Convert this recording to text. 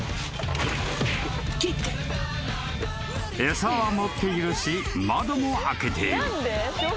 ［餌は持っているし窓も開けている］